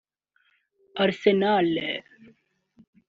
Arsenal